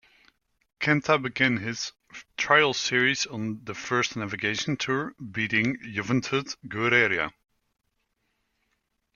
Kenta began his trial series on the "First Navigation" tour, beating Juventud Guerrera.